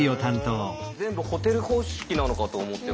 全部ホテル方式なのかと思ってましたけど。